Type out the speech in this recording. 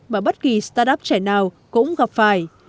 mà bất kỳ start up trẻ nào cũng gặp phải